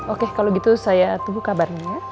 oke kalau gitu saya tunggu kabarnya